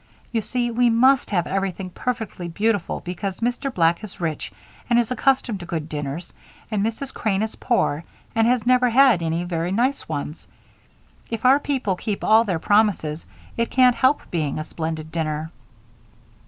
You see, we must have everything perfectly beautiful because Mr. Black is rich and is accustomed to good dinners, and Mrs. Crane is poor and never has any very nice ones. If our people keep all their promises, it can't help being a splendid dinner."